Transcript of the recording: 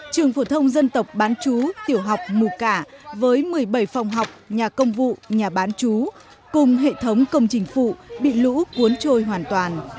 trường phổ thông dân tộc bán chú tiểu học mù cả với một mươi bảy phòng học nhà công vụ nhà bán chú cùng hệ thống công trình phụ bị lũ cuốn trôi hoàn toàn